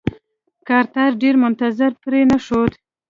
کارتر ډېر منتظر پرې نښود.